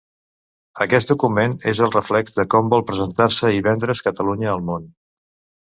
Aquest document és el reflex de com vol presentar-se i vendre's Catalunya al món.